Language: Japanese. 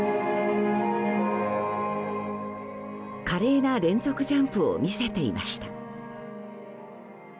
華麗な連続ジャンプを見せていました。